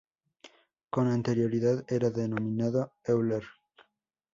Con anterioridad era denominado "Euler K".